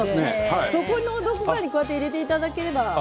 そこのどこかに入れていただければ。